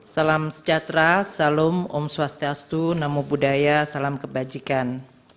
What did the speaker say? salam sejahtera salam om swastiastu namo buddhaya salam kebajikan